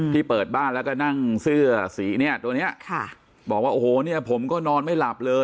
เปิดบ้านแล้วก็นั่งเสื้อสีเนี่ยตัวเนี้ยค่ะบอกว่าโอ้โหเนี่ยผมก็นอนไม่หลับเลย